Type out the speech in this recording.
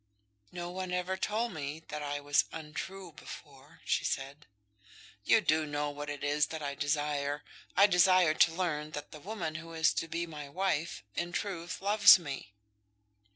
"No one ever told me that I was untrue before," she said. "You do know what it is that I desire. I desire to learn that the woman who is to be my wife, in truth, loves me."